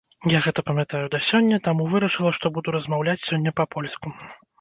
Я гэта памятаю да сёння, таму вырашыла, што буду размаўляць сёння па-польску.